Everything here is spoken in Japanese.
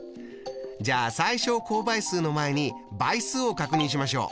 じゃあ最小公倍数の前に倍数を確認しましょう。